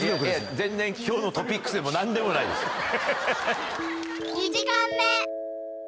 全然今日のトピックスでも何でもないです。